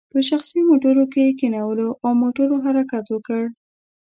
په شخصي موټرو کې یې کینولو او موټرو حرکت وکړ.